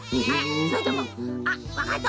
それともわかった。